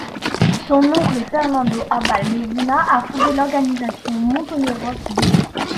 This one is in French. Son oncle, Fernando Abal Medina, a fondé l'organisation Montoneros d.